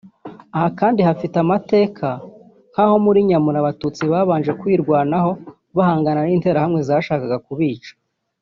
Aha kandi hafite amateka nk’aho muri Nyamure Abatutsi babanje kwirwanaho bahangana n’Interahamwe zashakaga kubica